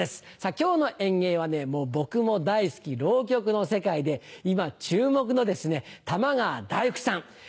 今日の演芸は僕も大好き浪曲の世界で今注目の玉川太福さん。